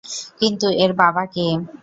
কিন্তু, এর বাবা কে?